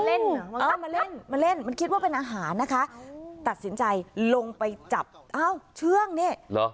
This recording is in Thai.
มาเล่นมาเล่นมันคิดว่าเป็นอาหารนะคะตัดสินใจลงไปจับอ้าวเชื่องนี่เหรอ